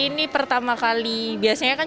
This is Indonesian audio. ini pertama kali biasanya kan